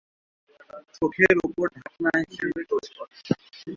চোখের উপর ঢাকনা হিসাবে কাজ করে।